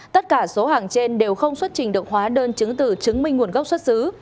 tất cả số hàng trên đều không xuất trình được hóa đơn chứng từ chứng minh nguồn gốc xuất xứ